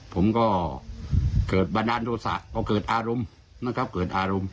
ผมก็เกิดบรรดาโนศะเกิดอารมณ์